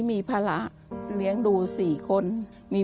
ทำงานชื่อนางหยาดฝนภูมิสุขอายุ๕๔ปี